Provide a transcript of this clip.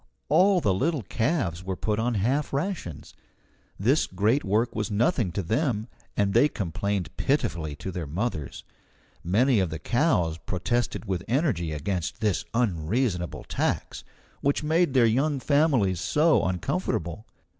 All the little calves were put on half rations. This great work was nothing to them, and they complained pitifully to their mothers. Many of the cows protested with energy against this unreasonable tax, which made their young families so uncomfortable.